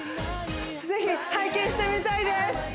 ぜひ拝見してみたいです